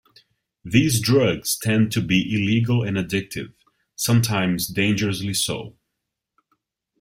These drugs tend to be illegal and addictive, sometimes dangerously so.